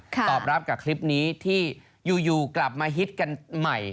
ตอบรับกับคลิปนี้ที่อยู่กลับมาฮิตกันใหม่